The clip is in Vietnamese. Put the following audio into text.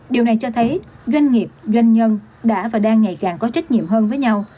điều này cho thấy doanh nghiệp doanh nhân đã và đang ngày càng có trách nhiệm hơn với nhau